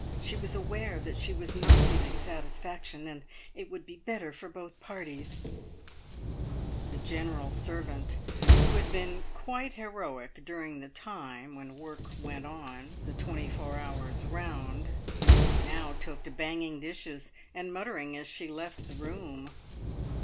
She was aware that she was not giving satisfaction, and it would be better for both parties " The general servant, who had been quite heroic during the time when work went on the twenty four hours round, now took to banging dishes and muttering as she left the room.